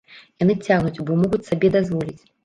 Яны цягнуць, бо могуць сабе дазволіць.